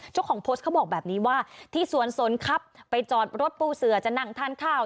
เจ้าของโพสต์เขาบอกแบบนี้ว่าที่สวนสนครับไปจอดรถปูเสือจะนั่งทานข้าว